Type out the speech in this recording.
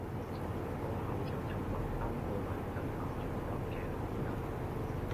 個校長有麥兜個黎根校長咁嘅口音⠀